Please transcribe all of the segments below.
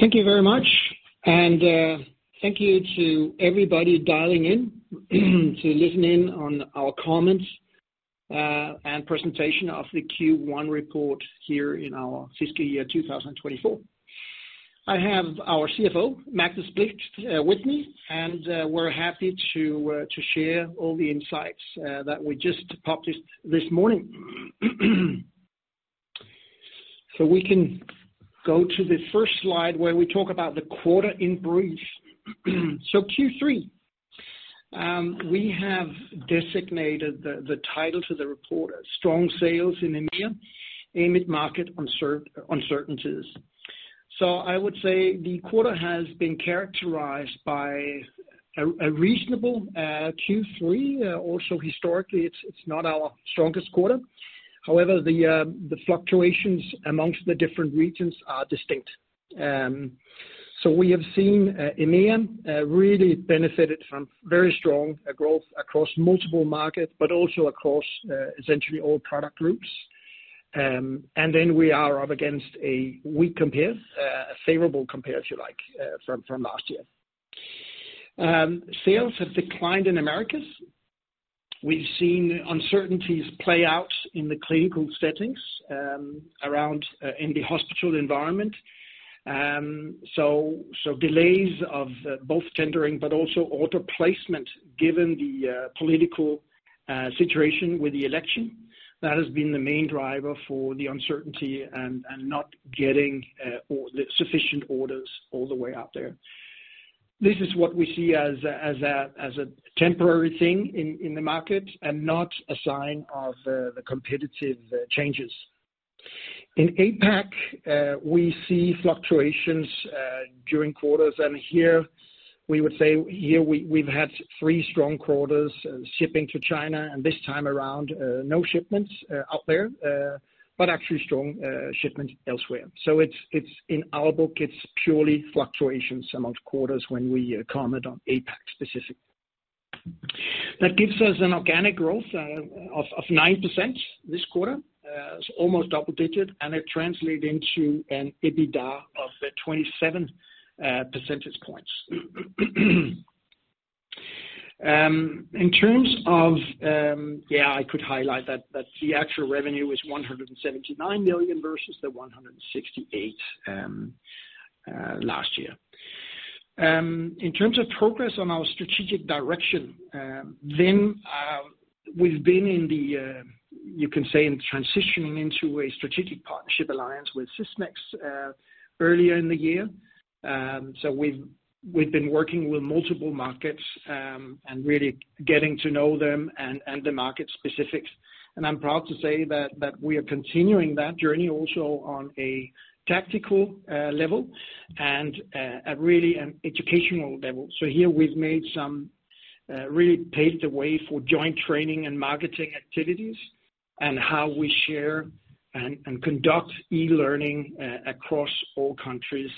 Thank you very much, and thank you to everybody dialing in to listen in on our comments and presentation of the Q3 report here in our fiscal year 2024. I have our CFO, Magnus Blixt, with me, and we're happy to share all the insights that we just published this morning. We can go to the first slide, where we talk about the quarter in brief. Q3, we have designated the title to the report, Strong Sales in EMEA Amid Market Uncertainties. I would say the quarter has been characterized by a reasonable Q3. Also, historically, it's not our strongest quarter. However, the fluctuations among the different regions are distinct. So we have seen EMEA really benefited from very strong growth across multiple markets, but also across essentially all product groups, and then we are up against a weak compare, a favorable compare, if you like, from last year. Sales have declined in Americas. We've seen uncertainties play out in the clinical settings around, in the hospital environment, so delays of both tendering, but also order placement, given the political situation with the election. That has been the main driver for the uncertainty and not getting or the sufficient orders all the way out there. This is what we see as a temporary thing in the market, and not a sign of the competitive changes. In APAC, we see fluctuations during quarters, and here we would say we've had three strong quarters shipping to China, and this time around no shipments out there, but actually strong shipments elsewhere. So it's in our book; it's purely fluctuations amongst quarters when we comment on APAC specifically. That gives us an organic growth of 9% this quarter. It's almost double digits, and it translate into an EBITDA of 27 percentage points. In terms of yeah, I could highlight that the actual revenue is 179 million versus the 168 million last year. In terms of progress on our strategic direction, then we've been in the, you can say, in transitioning into a strategic partnership alliance with Sysmex earlier in the year. So we've been working with multiple markets and really getting to know them and the market specifics. And I'm proud to say that we are continuing that journey also on a tactical level and at really an educational level. So here we've really paved the way for joint training and marketing activities, and how we share and conduct e-learning across all countries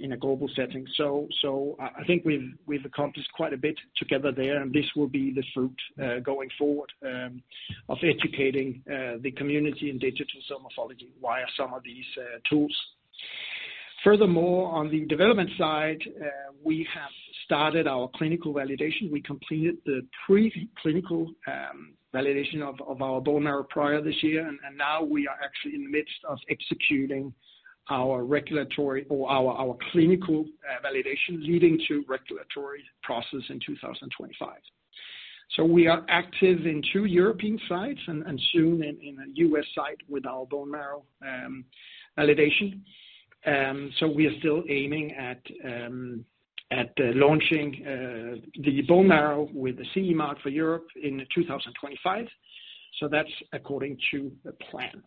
in a global setting. I think we've accomplished quite a bit together there, and this will be the fruit going forward of educating the community in digital cell morphology via some of these tools. Furthermore, on the development side, we have started our clinical validation. We completed the pre-clinical validation of our bone marrow earlier this year, and now we are actually in the midst of executing our regulatory or our clinical validation leading to regulatory process in 2025. So we are active in two European sites and soon in a U.S. site with our bone marrow validation. So we are still aiming at launching the bone marrow with the CE mark for Europe in 2025. So that's according to the plan.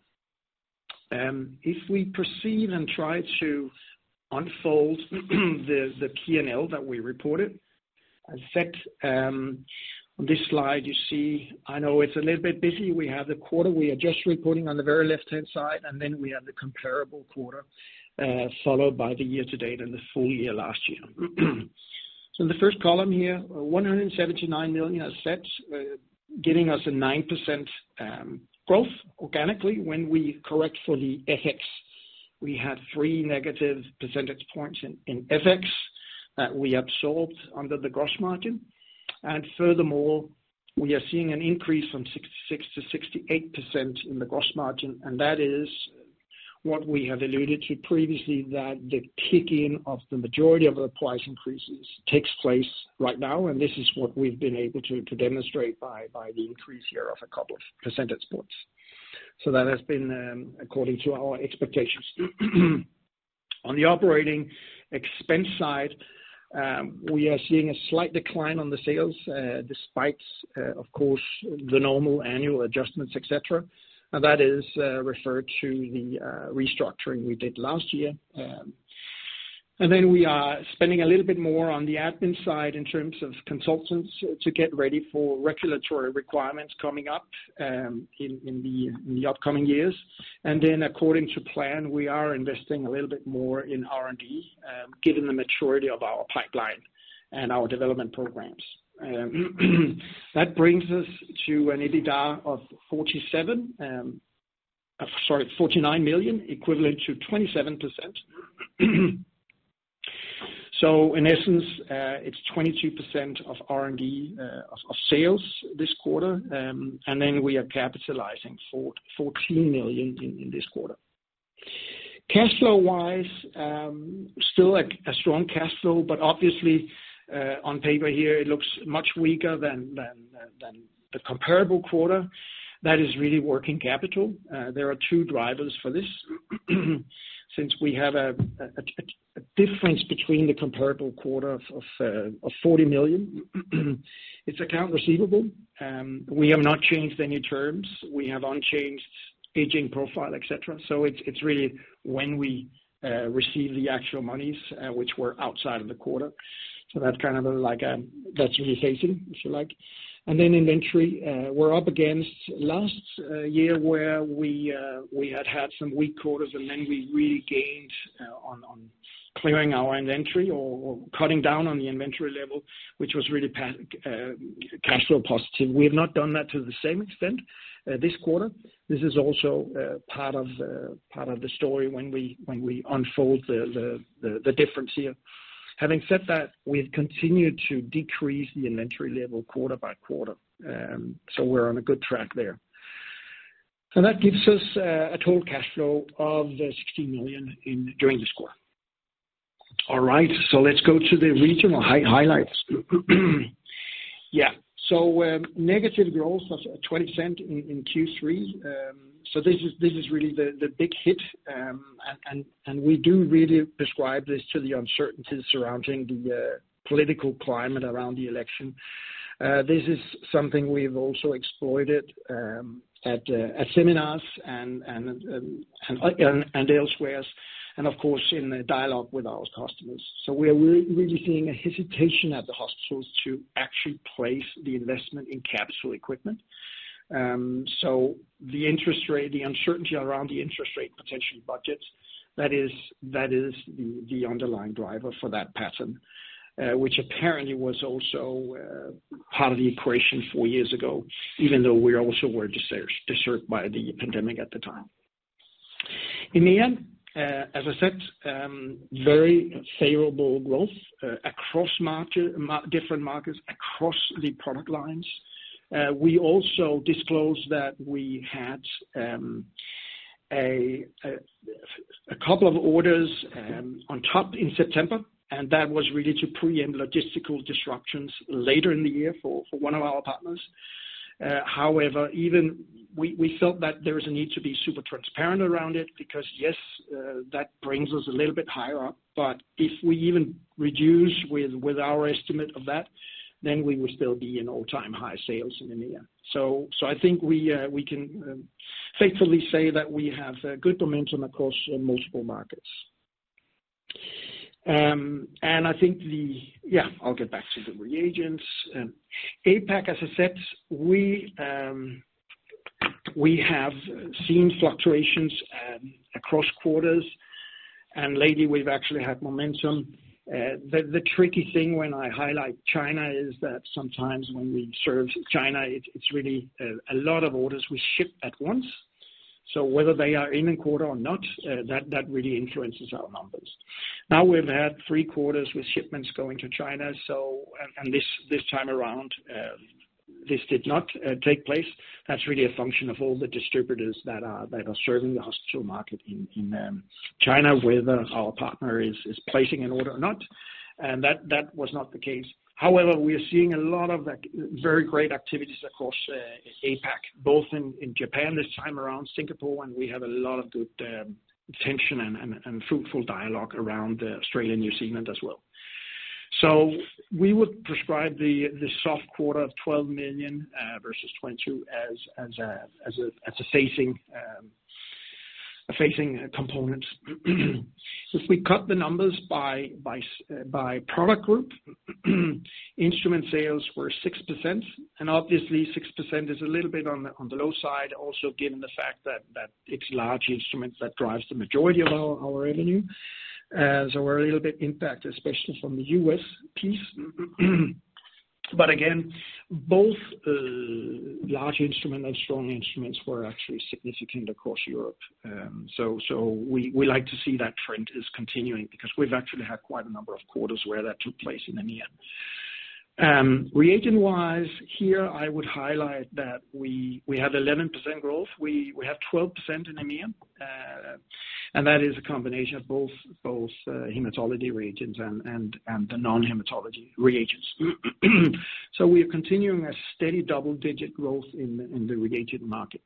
If we proceed and try to unfold the P&L that we reported, in fact, on this slide, you see. I know it's a little bit busy. We have the quarter we are just reporting on the very left-hand side, and then we have the comparable quarter, followed by the year to date and the full year last year. So in the first column here, 179 million, giving us 9% growth organically when we correct for the FX. We had three negative percentage points in FX that we absorbed under the gross margin. Furthermore, we are seeing an increase from 66% to 68% in the gross margin, and that is what we have alluded to previously, that the kick in of the majority of the price increases takes place right now, and this is what we've been able to demonstrate by the increase here of a couple of percentage points. That has been according to our expectations. On the operating expense side, we are seeing a slight decline on the sales despite of course the normal annual adjustments, et cetera. That is referred to the restructuring we did last year. And then we are spending a little bit more on the admin side in terms of consultants to get ready for regulatory requirements coming up in the upcoming years. And then, according to plan, we are investing a little bit more in R&D, given the maturity of our pipeline and our development programs. That brings us to an EBITDA of SEK 49 million, equivalent to 27%. So in essence, it's 22% of R&D of sales this quarter, and then we are capitalizing 14 million in this quarter. Cash flow wise, still a strong cash flow, but obviously, on paper here, it looks much weaker than the comparable quarter. That is really working capital. There are two drivers for this. Since we have a difference between the comparable quarter of 40 million, it's accounts receivable. We have not changed any terms. We have unchanged aging profile, et cetera. It's really when we receive the actual monies, which were outside of the quarter. That's kind of like, that's really phasing, if you like. And then inventory, we're up against last year, where we had had some weak quarters, and then we really gained on clearing our inventory or cutting down on the inventory level, which was really cash flow positive. We have not done that to the same extent this quarter. This is also part of the story when we unfold the difference here. Having said that, we've continued to decrease the inventory level quarter by quarter, so we're on a good track there. That gives us a total cash flow of 16 million during this quarter. All right, so let's go to the regional highlights. Yeah, so negative growth of 20% in Q3. So this is really the big hit, and we do really describe this to the uncertainties surrounding the political climate around the election. This is something we've also exploited at seminars and elsewhere, and of course, in the dialogue with our customers. So we are really seeing a hesitation at the hospitals to actually place the investment in capital equipment. So the interest rate, the uncertainty around the interest rate, potential budgets, that is the underlying driver for that pattern, which apparently was also part of the equation four years ago, even though we also were disturbed by the pandemic at the time. In the end, as I said, very favorable growth across different markets, across the product lines. We also disclosed that we had a couple of orders on top in September, and that was really to pre-empt logistical disruptions later in the year for one of our partners. However, we felt that there is a need to be super transparent around it because, yes, that brings us a little bit higher up, but if we even reduce with our estimate of that, then we will still be in all-time high sales in EMEA. So I think we can faithfully say that we have good momentum across multiple markets. And I think the... Yeah, I'll get back to the reagents. APAC, as I said, we have seen fluctuations across quarters, and lately we've actually had momentum. The tricky thing when I highlight China is that sometimes when we serve China, it's really a lot of orders we ship at once. So whether they are in a quarter or not, that really influences our numbers. Now, we've had three quarters with shipments going to China, and this time around, this did not take place. That's really a function of all the distributors that are serving the hospital market in China, whether our partner is placing an order or not, and that was not the case. However, we are seeing a lot of very great activities across APAC, both in Japan this time around, Singapore, and we have a lot of good attention and fruitful dialogue around Australia and New Zealand as well. So we would describe the soft quarter of 12 million versus 22 million as a phasing component. If we cut the numbers by product group, instrument sales were 6%, and obviously, 6% is a little bit on the low side. Also, given the fact that it's large instruments that drives the majority of our revenue, so we're a little bit impacted, especially from the U.S. piece. But again, both large instrument and small instruments were actually significant across Europe. So we like to see that trend is continuing because we've actually had quite a number of quarters where that took place in EMEA. Reagent-wise, here, I would highlight that we had 11% growth. We have 12% in EMEA, and that is a combination of both hematology reagents and the non-hematology reagents. So we are continuing a steady double-digit growth in the reagent market.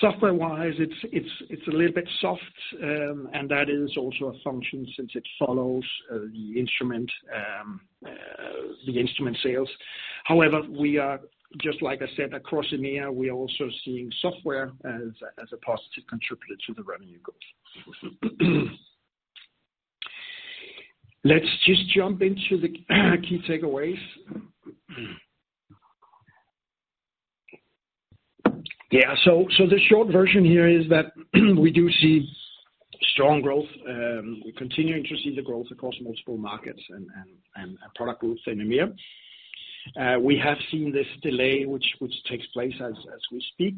Software-wise, it's a little bit soft, and that is also a function, since it follows the instrument sales. However, we are just, like I said, across EMEA, we are also seeing software as a positive contributor to the revenue growth. Let's just jump into the key takeaways. Yeah, so the short version here is that we do see strong growth. We're continuing to see the growth across multiple markets and product groups in EMEA. We have seen this delay which takes place as we speak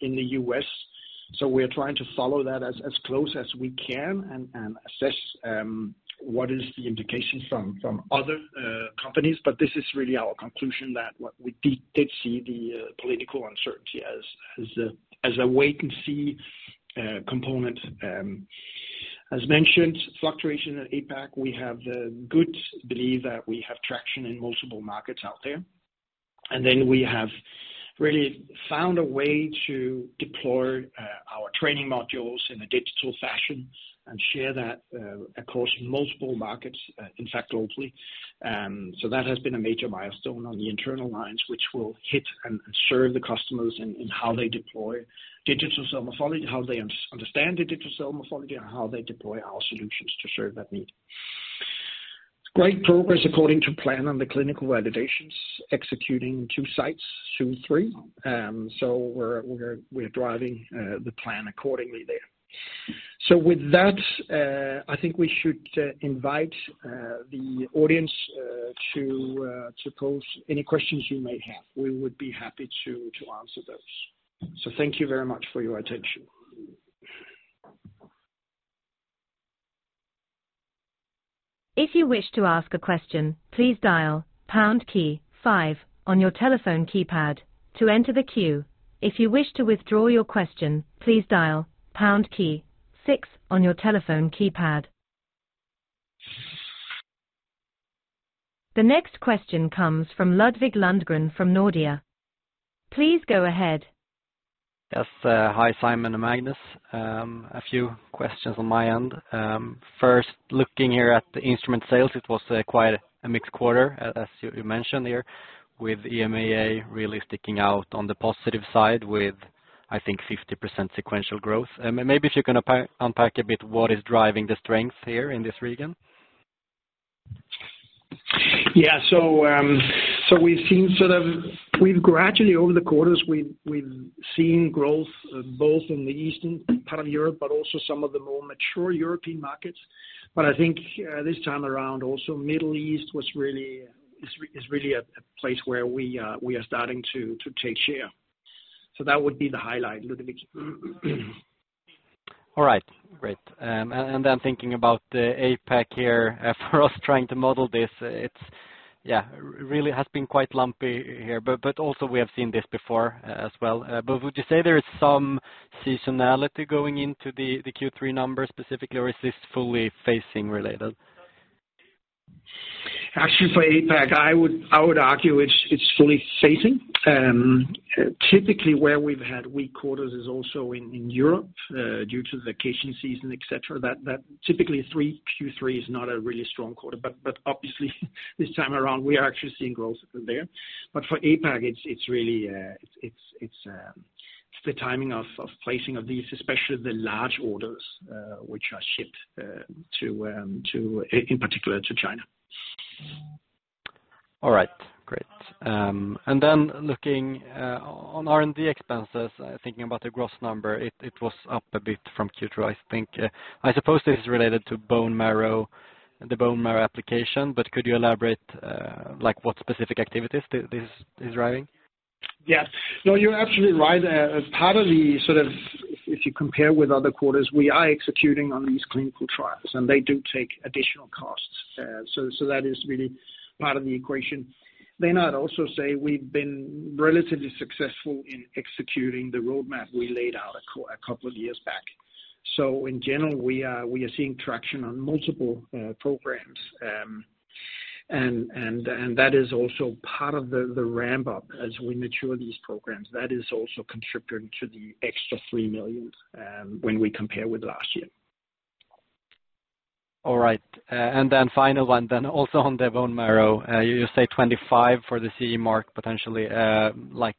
in the U.S., so we are trying to follow that as close as we can and assess what is the indication from other companies. But this is really our conclusion, that what we did see the political uncertainty as a wait-and-see component. As mentioned, fluctuation in APAC, we have the good belief that we have traction in multiple markets out there. And then we have really found a way to deploy our training modules in a digital fashion and share that across multiple markets, in fact, globally. So that has been a major milestone on the internal timeline, which will aid and serve the customers in how they deploy digital morphology, how they understand the digital morphology, and how they deploy our solutions to serve that need. Great progress according to plan on the clinical validations, executing two sites, soon three. So we're driving the plan accordingly there. With that, I think we should invite the audience to pose any questions you may have. We would be happy to answer those. So thank you very much for your attention. If you wish to ask a question, please dial pound key five on your telephone keypad to enter the queue. If you wish to withdraw your question, please dial pound key six on your telephone keypad. The next question comes from Ludvig Lundgren from Nordea. Please go ahead. Yes. Hi, Simon and Magnus. A few questions on my end. First, looking here at the instrument sales, it was quite a mixed quarter, as you mentioned here, with EMEA really sticking out on the positive side with, I think, 50% sequential growth. Maybe if you can unpack a bit, what is driving the strength here in this region? Yeah. So we've seen sort of... We've gradually, over the quarters, we've seen growth both in the eastern part of Europe, but also some of the more mature European markets. But I think, this time around also, Middle East was really, is really a place where we are starting to take share. So that would be the highlight, Ludvig. All right. Great. And then thinking about the APAC here, for us, trying to model this, it's yeah, really has been quite lumpy here, but also we have seen this before as well. But would you say there is some seasonality going into the Q3 numbers specifically, or is this fully phasing related? Actually, for APAC, I would argue it's fully phasing. Typically, where we've had weak quarters is also in Europe due to the vacation season, et cetera. That typically Q3 is not a really strong quarter, but obviously, this time around we are actually seeing growth there. But for APAC, it's really the timing of placing of these, especially the large orders, which are shipped to, in particular, to China. All right. Great. And then looking on R&D expenses, thinking about the gross number, it was up a bit from Q2, I think. I suppose this is related to bone marrow, the bone marrow application, but could you elaborate, like, what specific activities this is driving? Yeah. No, you're absolutely right. Part of the sort of... If you compare with other quarters, we are executing on these clinical trials, and they do take additional costs. So that is really part of the equation. May I not also say we've been relatively successful in executing the roadmap we laid out a couple of years back. In general, we are seeing traction on multiple programs. And that is also part of the ramp-up as we mature these programs. That is also contributing to the extra 3 million when we compare with last year. All right, and then final one, then also on the bone marrow. You say 2025 for the CE mark, potentially. Like,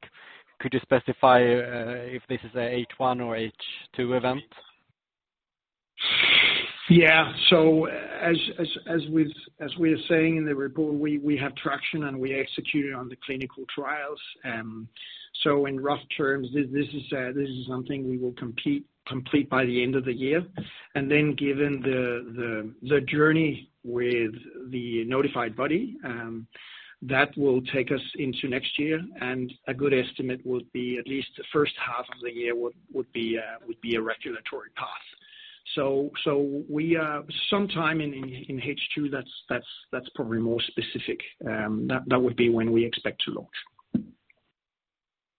could you specify if this is a H1 or H2 event? Yeah. So as we've, as we are saying in the report, we have traction, and we executed on the clinical trials. So in rough terms, this is something we will complete by the end of the year. And then given the journey with the notified body, that will take us into next year, and a good estimate will be at least the first half of the year would be a regulatory path. So we sometime in H2, that's probably more specific. That would be when we expect to launch.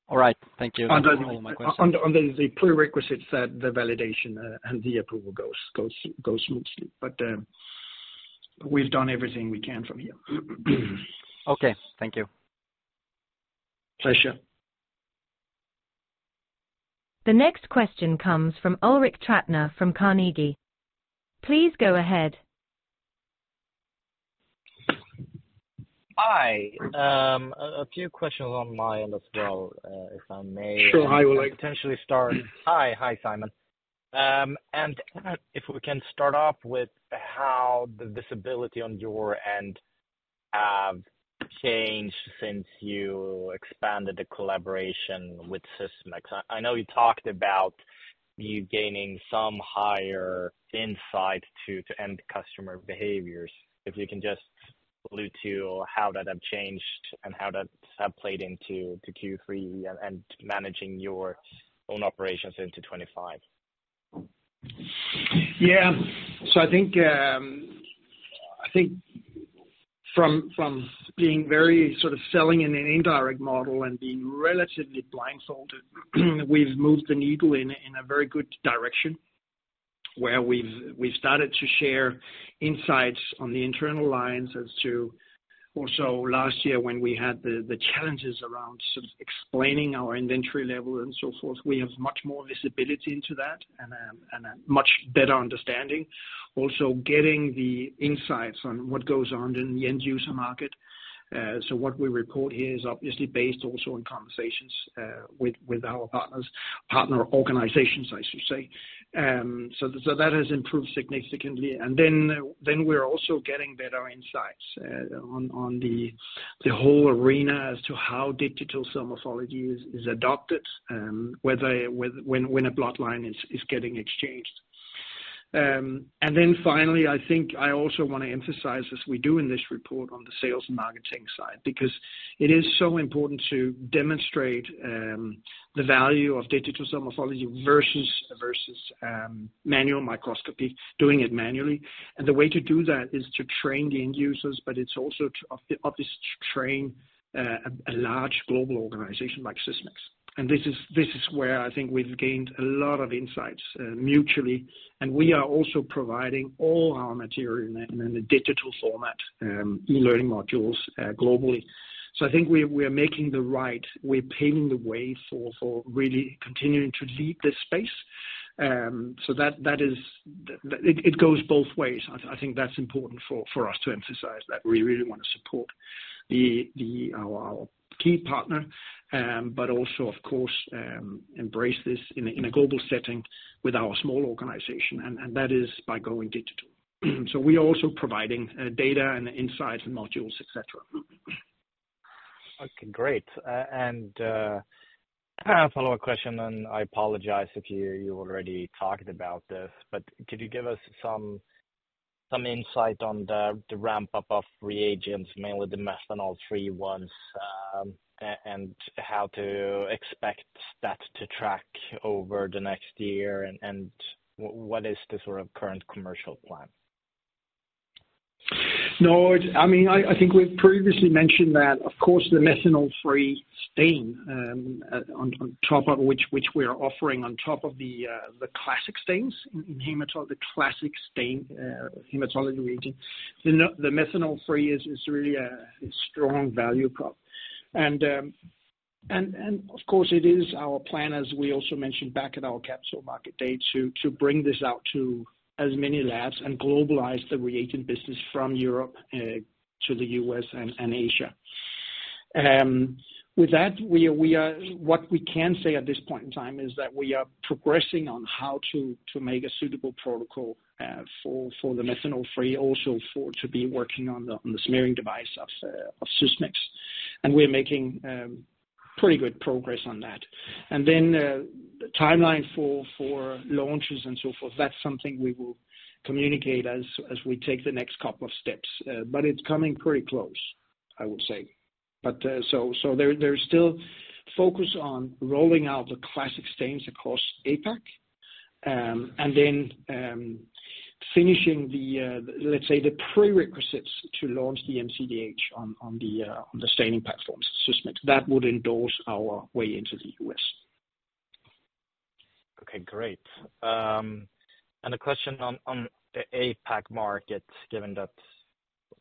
All right. Thank you. Under- Those are all my questions. Under the prerequisites that the validation and the approval goes smoothly, but we've done everything we can from here. Okay, thank you. Pleasure. The next question comes from Ulrik Trattner from Carnegie. Please go ahead. Hi. A few questions on my end as well, if I may. Sure. Hi, Ulrik. Hi, hi, Simon, and if we can start off with how the visibility on your end-... have changed since you expanded the collaboration with Sysmex? I know you talked about you gaining some higher insight to end customer behaviors. If you can just allude to how that have changed and how that have played into Q3 and managing your own operations into 2025. Yeah. So I think I think from being very sort of selling in an indirect model and being relatively blindfolded, we've moved the needle in a very good direction, where we've started to share insights on the internal lines as to... Also, last year when we had the challenges around sort of explaining our inventory level and so forth, we have much more visibility into that and a much better understanding. Also, getting the insights on what goes on in the end user market. So what we report here is obviously based also on conversations with our partners, partner organizations, I should say. So that has improved significantly. Then we're also getting better insights on the whole arena as to how digital cell morphology is adopted, whether when a blood line is getting exchanged. Finally, I think I also want to emphasize, as we do in this report on the sales and marketing side, because it is so important to demonstrate the value of digital cell morphology versus manual microscopy, doing it manually. The way to do that is to train the end users, but it's also obvious to train a large global organization like Sysmex. This is where I think we've gained a lot of insights mutually. We are also providing all our material in a digital format, e-learning modules globally. So I think we are paving the way for really continuing to lead this space. That is. It goes both ways. I think that's important for us to emphasize that we really want to support our key partner, but also, of course, embrace this in a global setting with our small organization, and that is by going digital. So we are also providing data and insights and modules, et cetera. Okay, great. And kind of a follow-up question, and I apologize if you already talked about this, but could you give us some insight on the ramp-up of reagents, mainly the methanol-free ones, and how to expect that to track over the next year? And what is the sort of current commercial plan? No, I mean, I think we've previously mentioned that, of course, the methanol-free stain, on top of which we are offering on top of the classic stains in the hematology region. The methanol-free is really a strong value prop, and of course, it is our plan, as we also mentioned back at our capital market day, to bring this out to as many labs and globalize the reagent business from Europe to the U.S. and Asia. With that, what we can say at this point in time is that we are progressing on how to make a suitable protocol for the methanol-free, also to be working on the smearing device of Sysmex. And we're making pretty good progress on that. And then, the timeline for launches and so forth, that's something we will communicate as we take the next couple of steps. But it's coming pretty close, I would say. But, so there, there's still focus on rolling out the classic stains across APAC, and then, finishing, let's say, the prerequisites to launch the MCDh on the staining platforms, Sysmex. That would pave our way into the U.S. Okay, great. And a question on the APAC market, given that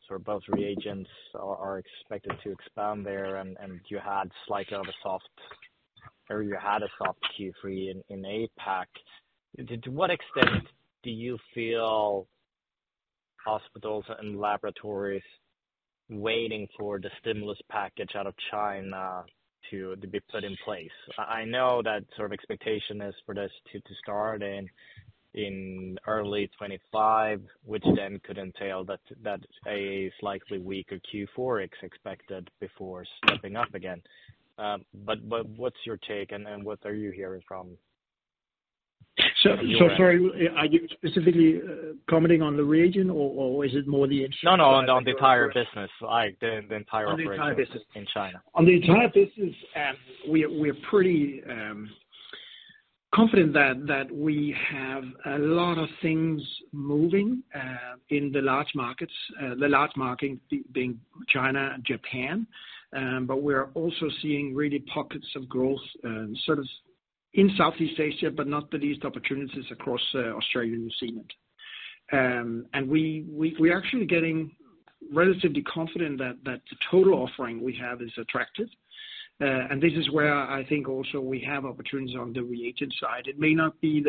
sort of both reagents are expected to expand there, and you had a soft Q3 in APAC. To what extent do you feel hospitals and laboratories waiting for the stimulus package out of China to be put in place? I know that sort of expectation is for this to start in early 2025, which then could entail that a slightly weaker Q4 is expected before stepping up again. But what's your take, and what are you hearing from? So, so sorry, are you specifically commenting on the region, or, or is it more the instrument? No, no, on the entire business, like the entire operation- On the entire business. -in China. On the entire business, we're pretty confident that we have a lot of things moving in the large markets, the large market being China and Japan, but we are also seeing really pockets of growth sort of in Southeast Asia, but not the least opportunities across Australia and New Zealand, and we're actually getting relatively confident that the total offering we have is attractive, and this is where I think also we have opportunities on the reagent side. It may not be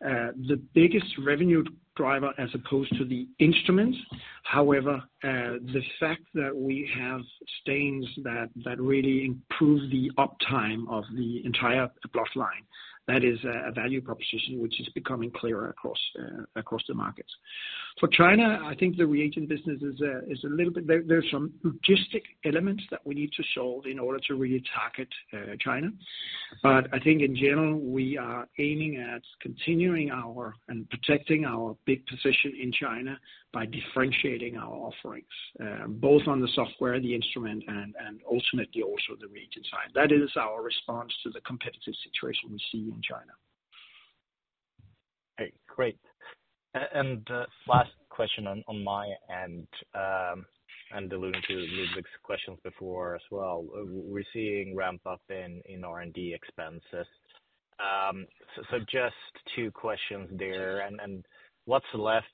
the biggest revenue driver as opposed to the instruments. However, the fact that we have stains that really improve the uptime of the entire blood line. That is a value proposition which is becoming clearer across the markets. For China, I think the reagent business is a little bit. There's some logistical elements that we need to solve in order to really target China. But I think in general, we are aiming at continuing our and protecting our big position in China by differentiating our offerings both on the software, the instrument, and ultimately also the reagent side. That is our response to the competitive situation we see in China. Okay, great. And last question on my end, and alluding to Ludvig's questions before as well. We're seeing ramp up in R&D expenses. So just two questions there, and what's left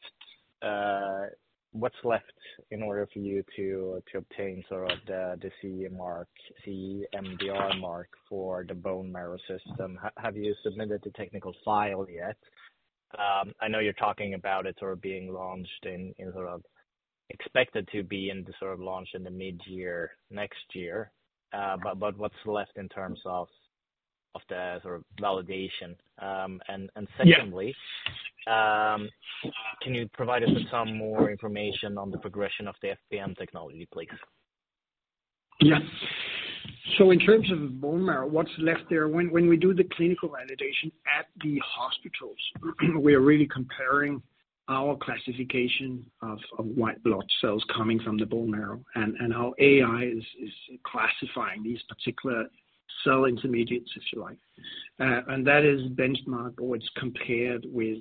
in order for you to obtain sort of the CE mark, CE MDR mark for the bone marrow system? Have you submitted the technical file yet? I know you're talking about it sort of being launched in sort of expected to be in the sort of launch in the mid-year next year. But what's left in terms of the sort of validation? And secondly- Yeah. Can you provide us with some more information on the progression of the FPM technology, please? Yeah. So in terms of bone marrow, what's left there? When we do the clinical validation at the hospitals, we are really comparing our classification of white blood cells coming from the bone marrow, and how AI is classifying these particular cell intermediates, if you like. And that is benchmarked or it's compared with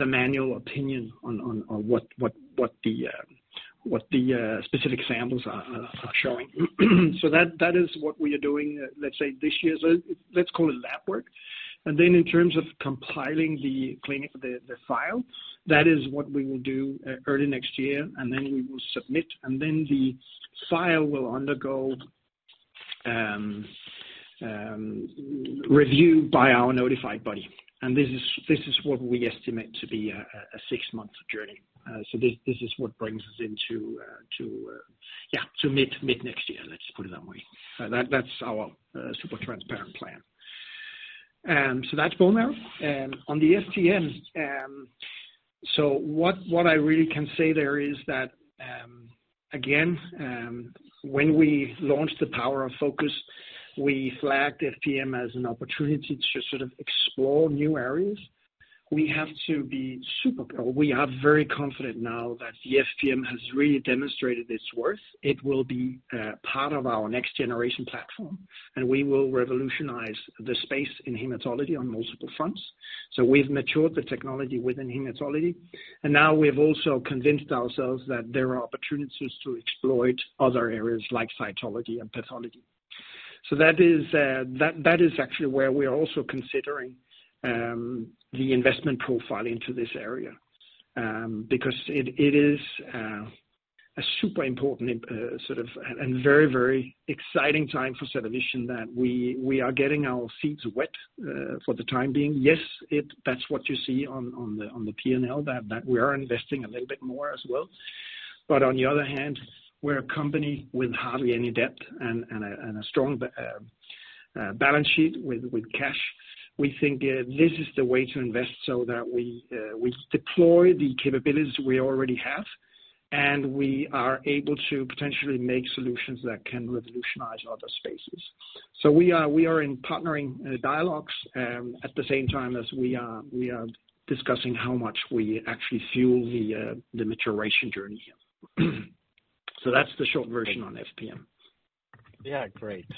a manual opinion on what the specific samples are showing. That is what we are doing, let's say, this year. Let's call it lab work. Then in terms of compiling the file, that is what we will do early next year, and then we will submit, and then the file will undergo review by our notified body. This is what we estimate to be a six-month journey. This is what brings us to mid-next year, let's put it that way. That's our super transparent plan. So that's bone marrow. On the FPM, so what I really can say there is that, again, when we launched the Power of Focus, we flagged FPM as an opportunity to sort of explore new areas. We have to be super careful. We are very confident now that the FPM has really demonstrated its worth. It will be part of our next generation platform, and we will revolutionize the space in hematology on multiple fronts. So we've matured the technology within hematology, and now we have also convinced ourselves that there are opportunities to exploit other areas like cytology and pathology. That is actually where we are also considering the investment profile into this area, because it is a super important sort of and very, very exciting time for CellaVision that we are getting our feet wet for the time being. Yes, it, that's what you see on the P&L, that we are investing a little bit more as well. But on the other hand, we're a company with hardly any debt and a strong balance sheet with cash. We think this is the way to invest so that we deploy the capabilities we already have, and we are able to potentially make solutions that can revolutionize other spaces. So we are in partnering dialogues at the same time as we are discussing how much we actually fuel the maturation journey here. So that's the short version on FPM. Yeah, great.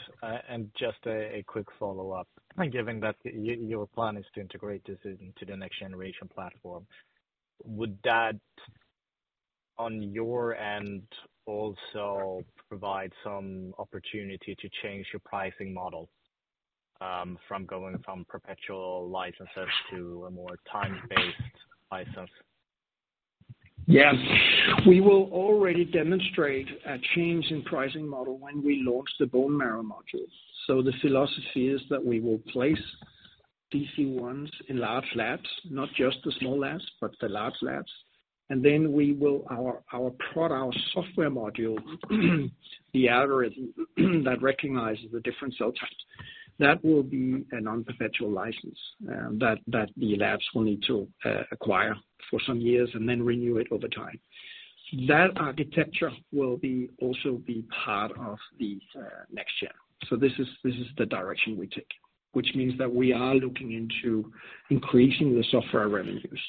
And just a quick follow-up. Given that your plan is to integrate this into the next generation platform, would that, on your end, also provide some opportunity to change your pricing model from perpetual licenses to a more time-based license? Yes. We will already demonstrate a change in pricing model when we launch the bone marrow modules. So the philosophy is that we will place DC-1s in large labs, not just the small labs, but the large labs. And then we will. Our software module, the algorithm that recognizes the different cell types, that will be a non-perpetual license, that the labs will need to acquire for some years and then renew it over time. That architecture will also be part of the next gen. So this is the direction we take, which means that we are looking into increasing the software revenues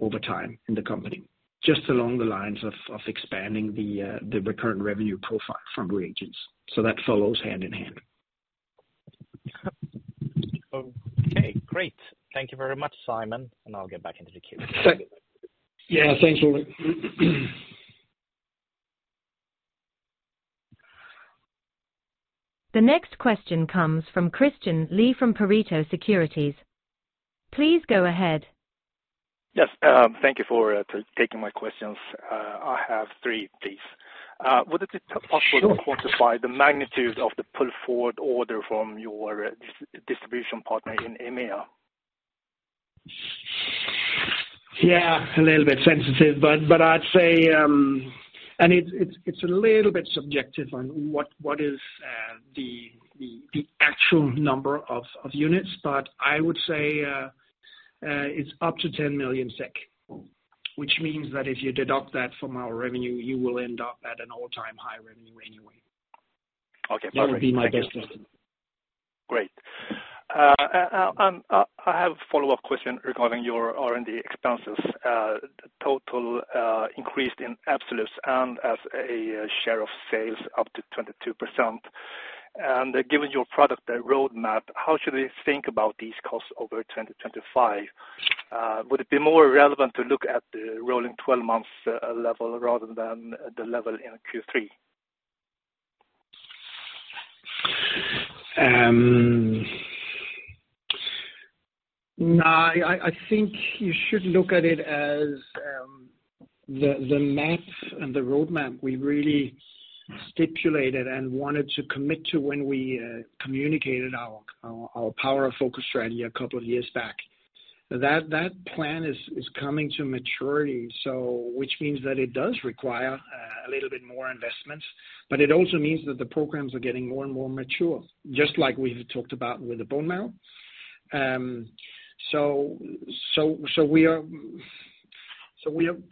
over time in the company, just along the lines of expanding the recurrent revenue profile from reagents. So that follows hand in hand. Okay, great. Thank you very much, Simon, and I'll get back into the queue. Yeah, thanks, Ulrik. The next question comes from Christian Lee from Pareto Securities. Please go ahead. Yes, thank you for taking my questions. I have three, please. Would it be possible- Sure. - to quantify the magnitude of the pull-forward order from your distribution partner in EMEA?... Yeah, a little bit sensitive, but I'd say, and it's a little bit subjective on what is the actual number of units, but I would say, it's up to 10 million SEK, which means that if you deduct that from our revenue, you will end up at an all-time high revenue anyway. Okay, perfect. That would be my best estimate. Great. I have a follow-up question regarding your R&D expenses. Total increase in absolutes and as a share of sales up to 22%. And given your product roadmap, how should we think about these costs over 2025? Would it be more relevant to look at the rolling twelve months level rather than the level in Q3? No, I think you should look at it as the math and the roadmap we really stipulated and wanted to commit to when we communicated our Power of Focus strategy a couple of years back. That plan is coming to maturity, so which means that it does require a little bit more investments, but it also means that the programs are getting more and more mature, just like we've talked about with the bone marrow. So we are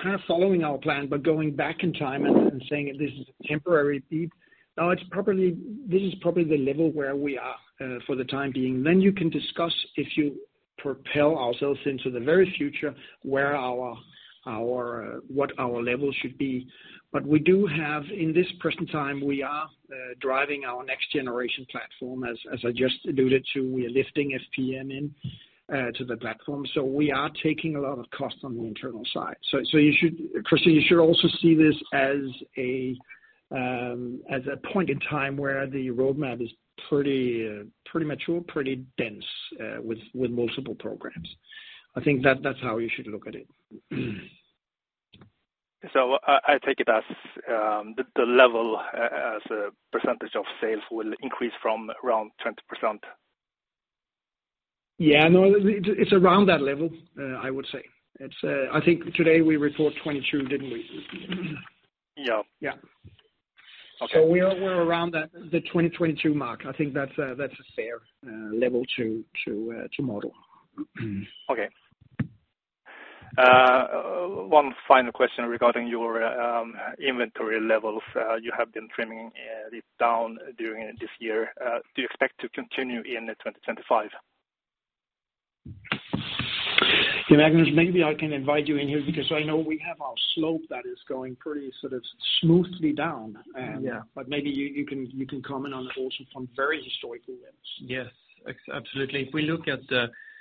kind of following our plan, but going back in time and saying that this is a temporary peak. Now, it's probably the level where we are for the time being. Then you can discuss, if you propel ourselves into the very future, where our levels should be. But we do have, in this present time, we are driving our next generation platform, as I just alluded to, we are lifting FPM into the platform. So we are taking a lot of costs on the internal side. So you should, Christian, you should also see this as a point in time where the roadmap is pretty mature, pretty dense with multiple programs. I think that's how you should look at it. So I take it as the level as a percentage of sales will increase from around 20%? Yeah, no, it, it's around that level, I would say. It's, I think today we report 22, didn't we? Yeah. Yeah. Okay. So we're around the 20, 22 mark. I think that's a fair level to model. Okay. One final question regarding your inventory levels. You have been trimming it down during this year. Do you expect to continue in 2025? Hey, Magnus, maybe I can invite you in here, because I know we have our slope that is going pretty sort of smoothly down. Yeah. But maybe you can comment on it also from very historical levels. Yes, absolutely. If we look at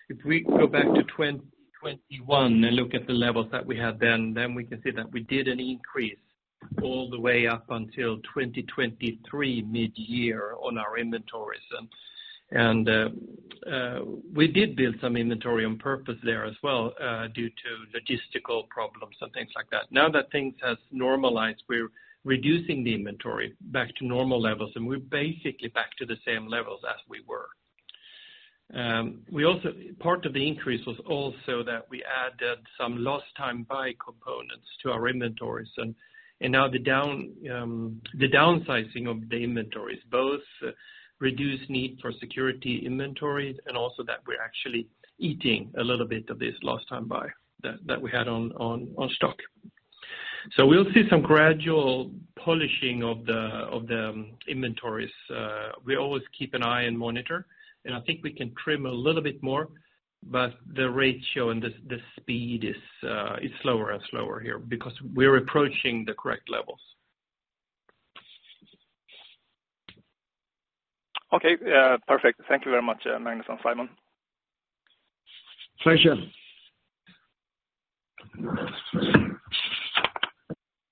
if we go back to 2021 and look at the levels that we had then, then we can see that we did an increase all the way up until 2023 mid-year on our inventories. And we did build some inventory on purpose there as well, due to logistical problems and things like that. Now that things has normalized, we're reducing the inventory back to normal levels, and we're basically back to the same levels as we were. We also, part of the increase was also that we added some last time buy components to our inventories, and now the downsizing of the inventories both reduces the need for safety inventories, and also that we're actually eating a little bit of this last time buy that we had on stock. So we'll see some gradual polishing of the inventories. We always keep an eye and monitor, and I think we can trim a little bit more, but the ratio and the speed is slower and slower here because we're approaching the correct levels. Okay, perfect. Thank you very much, Magnus and Simon. Pleasure.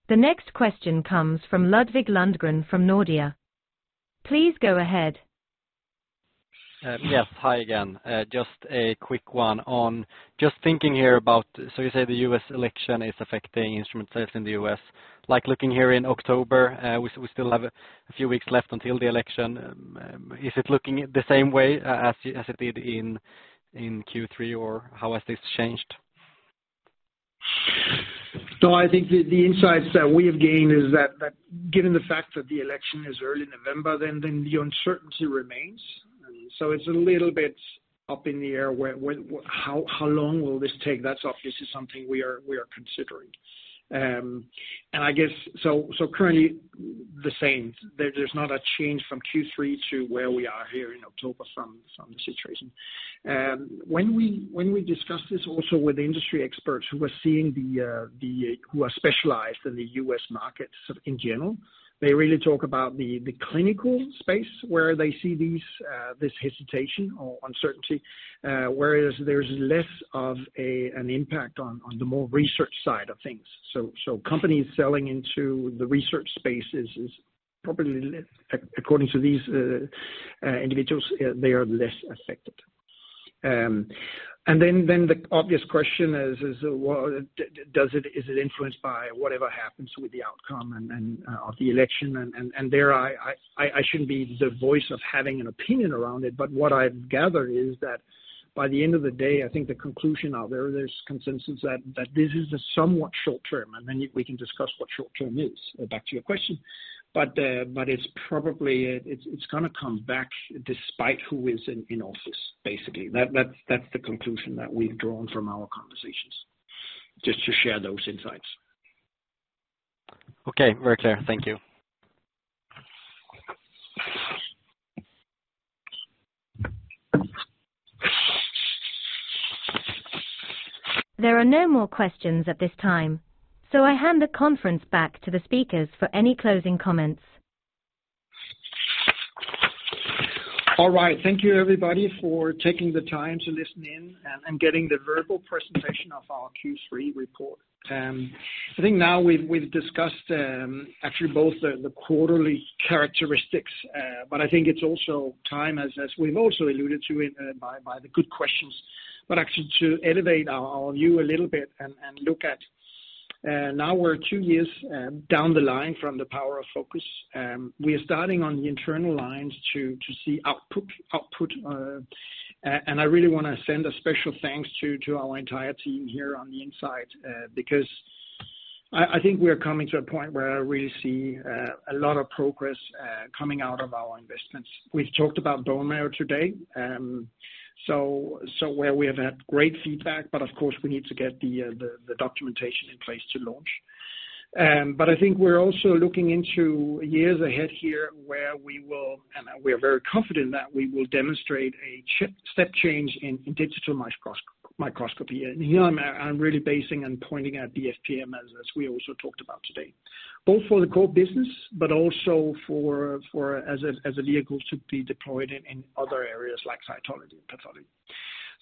The next question comes from Ludvig Lundgren, from Nordea. Please go ahead. Yes, hi again. Just a quick one on just thinking here about... So you say the U.S. election is affecting instrument sales in the U.S. Like, looking here in October, we still have a few weeks left until the election, is it looking the same way, as it did in Q3, or how has this changed? No, I think the insights that we have gained is that, given the fact that the election is early November, then the uncertainty remains. So it's a little bit up in the air, how long will this take? That's obviously something we are considering, and I guess, so currently the same, there's not a change from Q3 to where we are here in October, some situation. When we discuss this also with the industry experts who are specialized in the U.S. markets in general, they really talk about the clinical space, where they see this hesitation or uncertainty, whereas there's less of an impact on the more research side of things. So companies selling into the research space is probably less affected according to these individuals. And then the obvious question is, well, does it, is it influenced by whatever happens with the outcome of the election? And there I shouldn't be the voice of having an opinion around it, but what I've gathered is that. By the end of the day, I think the conclusion out there. There's consensus that this is a somewhat short term, and then we can discuss what short term is. Back to your question. But it's probably, it's gonna come back despite who is in office, basically. That's the conclusion that we've drawn from our conversations. Just to share those insights. Okay. Very clear. Thank you. There are no more questions at this time, so I hand the conference back to the speakers for any closing comments. All right. Thank you, everybody, for taking the time to listen in and getting the verbal presentation of our Q3 report. I think now we've discussed actually both the quarterly characteristics, but I think it's also time as we've also alluded to it by the good questions, but actually to elevate our view a little bit and look at now we're two years down the line from the Power of Focus. We are starting on the internal lines to see output and I really wanna send a special thanks to our entire team here on the inside because I think we are coming to a point where I really see a lot of progress coming out of our investments. We've talked about bone marrow today, so, so where we have had great feedback, but of course, we need to get the documentation in place to launch. But I think we're also looking into years ahead here, where we will demonstrate a key step change in digital microscopy, and here I'm really basing and pointing at the FPM as we also talked about today, both for the core business, but also for as a vehicle to be deployed in other areas like cytology and pathology.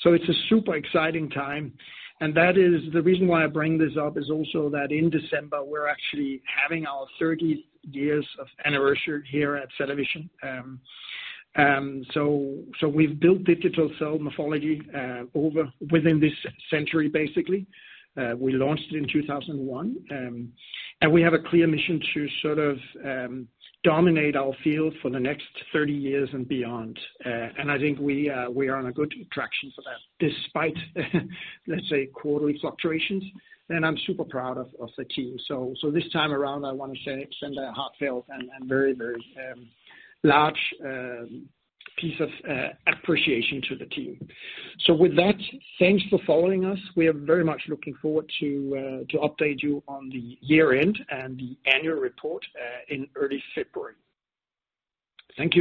So it's a super exciting time, and that is the reason why I bring this up, is also that in December, we're actually having our 30-year anniversary here at CellaVision. And so we've built digital cell morphology over within this century, basically. We launched in two thousand and one, and we have a clear mission to sort of dominate our field for the next thirty years and beyond. And I think we are on a good traction for that, despite, let's say, quarterly fluctuations. And I'm super proud of the team. So this time around, I wanna send a heartfelt and very large piece of appreciation to the team. So with that, thanks for following us. We are very much looking forward to update you on the year-end and the annual report in early February. Thank you.